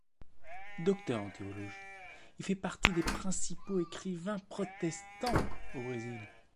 Docteur en théologie, il fait partie des principaux écrivains protestants au Brésil.